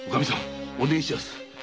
お願いします。